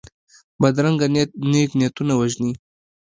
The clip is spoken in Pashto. بدرنګه نیت نېک نیتونه وژني